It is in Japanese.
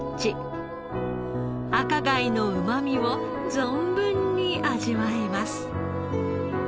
赤貝のうまみを存分に味わえます。